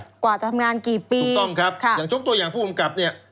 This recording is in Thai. กว่าจะทำงานกี่ปีถูกต้องครับค่ะอย่างยกตัวอย่างผู้กำกับเนี่ย